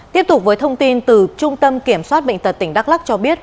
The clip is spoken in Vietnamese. tiếp tục với thông tin từ trung tâm kiểm soát bệnh tật tỉnh đắk lắc cho biết